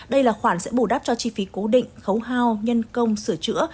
đây là khoản sẽ bù đắp cho chi phí cố định khấu hao nhân công sửa chữa